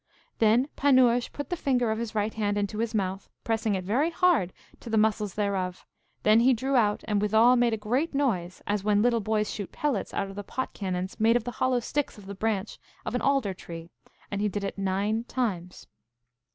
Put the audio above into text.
Then Panurge put the forefinger of his right hand into his mouth, pressing it very hard to the muscles thereof; then he drew it out, and withal made a great noise, as when little boys shoot pellets out of the pot cannons made of the hollow sticks of the branch of an alder tree, and he did it nine times.